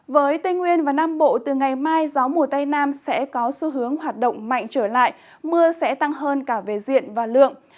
với tây nguyên và nam bộ từ ngày mai gió mùa tây nam sẽ có xu hướng hoạt động mạnh trở lại mưa sẽ tăng hơn cả về diện và lượng